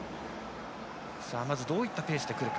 まずどういったペースでくるか。